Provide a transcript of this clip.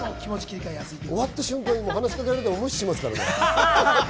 終わった瞬間に話し掛けられても、もう無視しますからね。